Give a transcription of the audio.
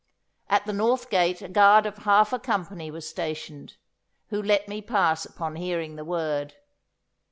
At the north gate a guard of half a company was stationed, who let me pass upon hearing the word.